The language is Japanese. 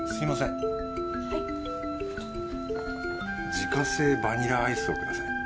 自家製バニラアイスをください。